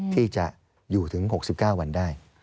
ที่จะอยู่ถึง๖๙วันได้